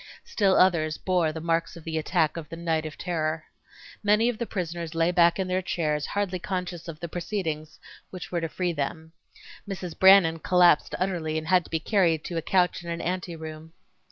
Still others bore the marks of the attack of the "night of terror." Many of the prisoners lay back in their chairs hardly conscious of the proceedings which were to. free them. Mrs. Brannan collapsed utterly and had to be carried to a couch in an ante room.